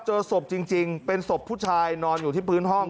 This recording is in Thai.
เจอศพจริงเป็นศพผู้ชายนอนอยู่ที่พื้นห้อง